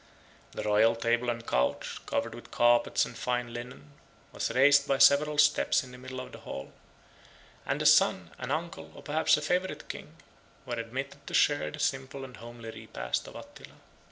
The royal table and couch, covered with carpets and fine linen, was raised by several steps in the midst of the hall; and a son, an uncle, or perhaps a favorite king, were admitted to share the simple and homely repast of Attila.